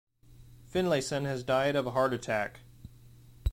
Finlayson had died of a heart attack.